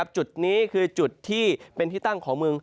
จุดนี้คือจุดที่เป็นที่ตั้งของเมือง